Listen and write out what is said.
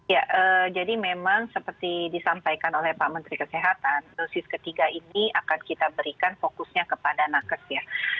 ya jadi memang seperti disampaikan oleh pak menteri kesehatan dosis ketiga ini akan kita berikan fokusnya kepada nakes ya